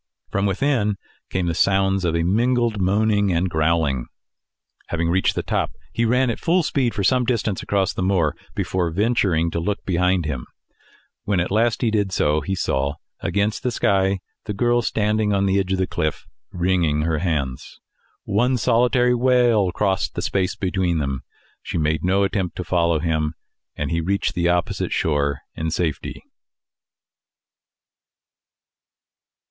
From within came the sounds of a mingled moaning and growling. Having reached the top, he ran at full speed for some distance across the moor before venturing to look behind him. When at length he did so, he saw, against the sky, the girl standing on the edge of the cliff, wringing her hands. One solitary wail crossed the space between. She made no attempt to follow him, and he reached the opposite shore in safety.